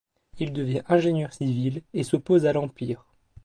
Il devient ingénieur civil et s'oppose à l'Empire.